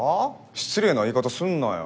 失礼な言い方すんなよ！